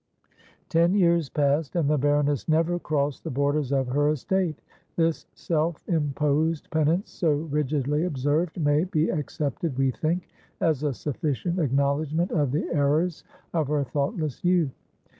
Ten years passed, and the baroness never crossed the borders of her estate. This self imposed penance, so rigidly observed, may be accepted, we think, as a sufficient acknowledgment of the errors of her thoughtless youth.